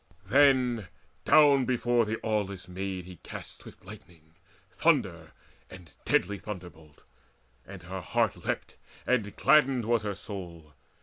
Then down before the aweless Maid he cast Swift lightning, thunder, and deadly thunderbolt; And her heart leapt, and gladdened was her soul.